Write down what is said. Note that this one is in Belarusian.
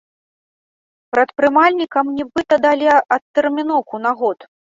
Прадпрымальнікам нібыта далі адтэрміноўку на год.